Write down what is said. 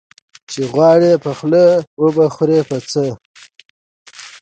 ـ چې وغواړې په خوله وبه خورې په څه.